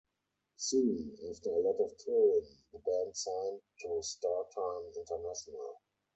Soon, after a lot of touring, the band signed to Startime International.